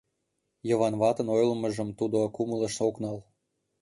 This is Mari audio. Йыван ватын ойлымыжым тудо кумылыш ок нал.